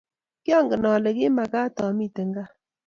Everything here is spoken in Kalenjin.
kiangen ale ki mekat amite gaa